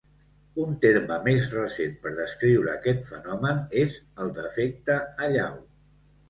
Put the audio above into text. Un terme més recent per descriure aquest fenomen és el d'efecte allau.